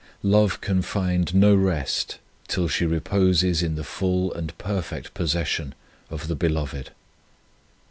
Love can find no rest till she reposes in the full and perfect possession of the Beloved.